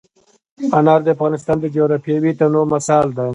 انار د افغانستان د جغرافیوي تنوع مثال دی.